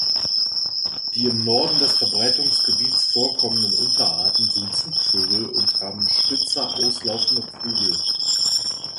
Die im Norden des Verbreitungsgebiet vorkommenden Unterarten sind Zugvögel und haben spitzer auslaufende Flügel.